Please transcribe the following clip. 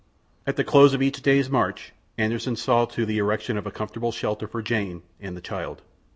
At the close of each day's march Anderssen saw to the erection of a comfortable shelter for Jane and the child.